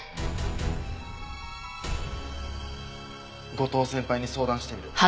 後藤先輩に相談してみる。